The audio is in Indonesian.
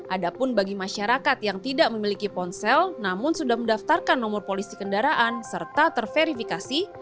ada pun bagi masyarakat yang tidak memiliki ponsel namun sudah mendaftarkan nomor polisi kendaraan serta terverifikasi